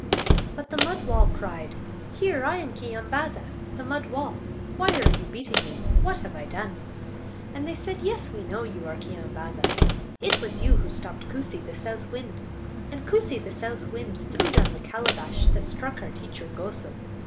But the mud wall cried: "Here! I am Keeyambaa'za, the mud wall. Why are you beating me? What have I done?" And they said: "Yes, we know you are Keeyambaaza; it was you who stopped Koosee, the south wind; and Koosee, the south wind, threw down the calabash that struck our teacher Goso.